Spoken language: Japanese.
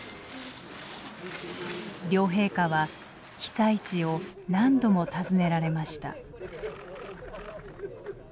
両陛下は被災地を何度も訪ねられました。